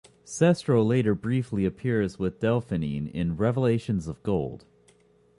Cestro later briefly appears with Delphine in "Revelations of Gold".